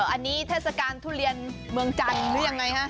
อันนี้เทศกาลทุเรียนเมืองจันทร์หรือยังไงฮะ